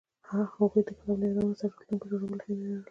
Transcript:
هغوی د کتاب له یادونو سره راتلونکی جوړولو هیله لرله.